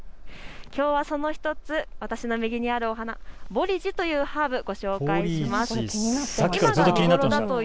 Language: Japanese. きょうはその１つ、私の右にあるお花、ボリジというハーブをご紹介します。